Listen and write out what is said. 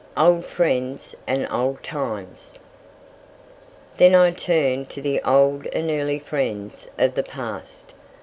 OLD FRIENDS AND OLD TIMES. Then I turned to the old and early friends of the past.